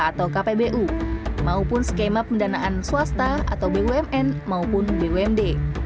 atau kpbu maupun skema pendanaan swasta atau bumn maupun bumd